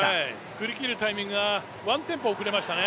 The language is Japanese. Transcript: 振り切るタイミングがワンテンポ遅れましたね。